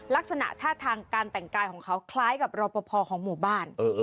ลักษณะท่าทางการแต่งกายของเขาคล้ายกับรอปภของหมู่บ้าน